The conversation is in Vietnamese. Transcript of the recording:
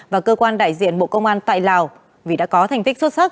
và cơ quan đại diện bộ công an tại lào vì đã có thành tích xuất sắc